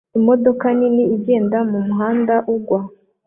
Imodoka nini igenda mumuhanda ugwa